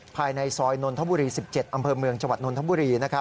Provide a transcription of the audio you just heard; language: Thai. ภายในซอยนนทบุรี๑๗อำเภอเมืองจังหวัดนนทบุรี